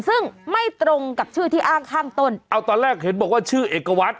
ซึ่งไม่ตรงกับชื่อที่อ้างข้างต้นเอาตอนแรกเห็นบอกว่าชื่อเอกวัตร